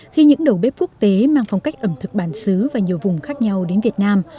khi những đầu bếp quốc tế mang phong cách ẩm thực bản xứ và nhiều vùng khác nhau đến việt nam